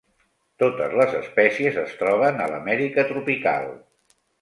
Totes les espècies es troben a l'Amèrica tropical.